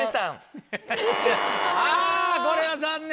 あこれは残念。